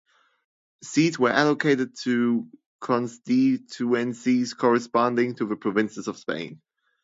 Seats were allocated to constituencies, corresponding to the provinces of Spain.